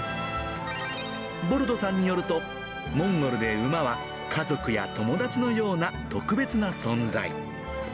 ボルドさんによると、モンゴルで馬は家族や友達のような特別な存在。